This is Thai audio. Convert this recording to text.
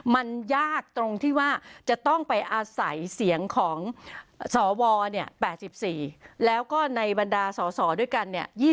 มันยากตรงที่ว่าจะต้องไปอาศัยเสียงของสว๘๔แล้วก็ในบรรดาสอสอด้วยกันเนี่ย